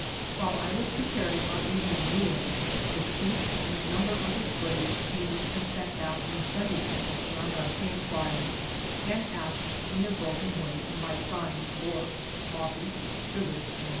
While I was preparing our evening meal the chief and a number of his braves came and sat down in a semi circle around our camp fire and asked in their broken way and by signs for coffee, sugar, and.